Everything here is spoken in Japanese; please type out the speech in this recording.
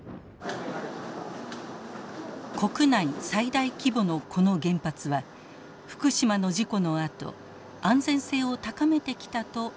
国内最大規模のこの原発は福島の事故のあと安全性を高めてきたとアピールしています。